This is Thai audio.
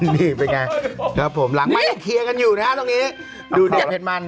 นี้เป็นไงหลังไม่เคียกันอยู่นะคะตรงนี้ดูเนี่ยเห็นมัน